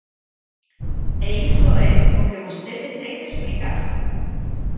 E iso é o que vostede ten que explicar.